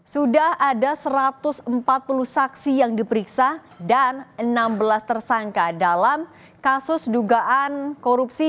sudah ada satu ratus empat puluh saksi yang diperiksa dan enam belas tersangka dalam kasus dugaan korupsi